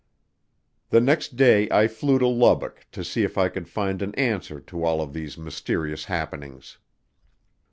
The next day I flew to Lubbock to see if I could find an answer to all of these mysterious happenings.